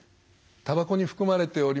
たばこに含まれております